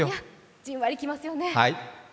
じんわりきますよね。